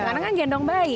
karena kan gendong bayi